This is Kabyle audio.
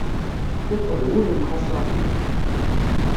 Tiṭ d wul mxaṣamen.